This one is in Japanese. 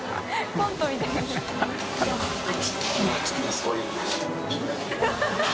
コントみたいに